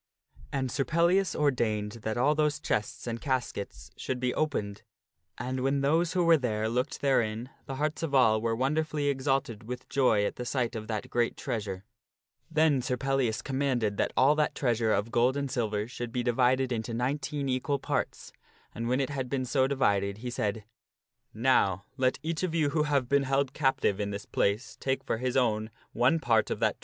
And Sir Pellias ordained that all those chests and caskets should be opened, and when those who were there looked therein, the hearts of all were wonderfully exalted with joy at the sight of that great treasure. PELLIAS REWARDS THE CAPTIVES 223 Then Sir Pellias commanded that all that treasure of gold and silver should be divided into nineteen equal parts, and when it had been so divided, he said, " Now let each of you who have been held Sir p e m as captive in this place, take for his own one part of that treasure dwideth the e .